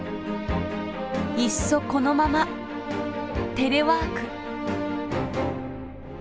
いっそこのままテレワーク。